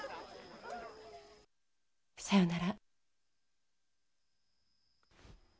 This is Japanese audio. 「さよなら」